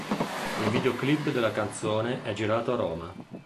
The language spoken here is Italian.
Il videoclip della canzone è girato a Roma.